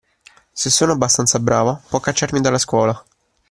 Se non sono abbastanza brava, può cacciarmi dalla scuola.